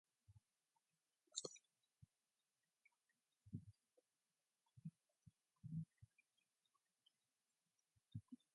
No matter his initial intent, Pulcinella always manages to win.